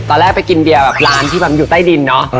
ตอนแรกไปกินเบียร้านที่อยู่ใต้ดินเนาะ